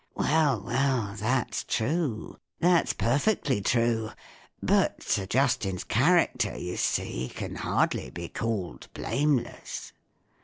"Well, well, that's true. That's per fectly true—but Sir Justin's character, you see, can hardly be called blameless."